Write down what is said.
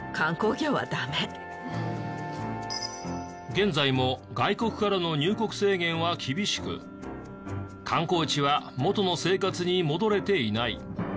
現在も外国からの入国制限は厳しく観光地は元の生活に戻れていない。